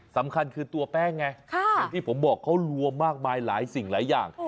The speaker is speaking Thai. สำคัญคือตัวแป้งไงอย่างที่ผมบอกเขารวมมากมายหลายสิ่งหลายอย่าง